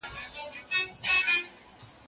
ما لیده چي له شاعره زوړ بابا پوښتنه وکړه